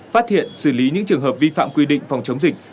phát hiện xử lý những trường hợp vi phạm quy định phòng chống dịch